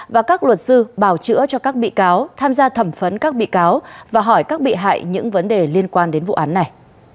và các luật sư bào chữa cho các bị cáo tham gia thẩm phấn các bị cáo và hỏi các bị hại những vấn đề liên quan đến vụ án này